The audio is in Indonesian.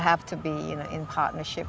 harusnya akan berpartnership